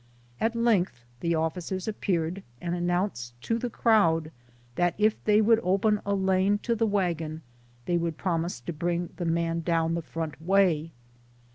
At length the officers appeared, and announced to 90 SOME SCENES IN THE the crowd that if they would open a lane to the wagon, they would promise to bring the man down the front way.